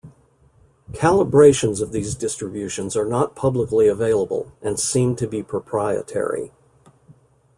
Calibrations of these distributions are not publicly available, and seem to be proprietary.